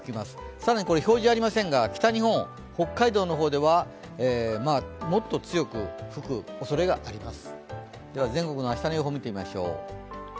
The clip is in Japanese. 更に表示はありませんが、北日本、北海道の方ではもっと強く吹くおそれがあります。